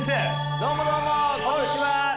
どうもどうもこんにちは！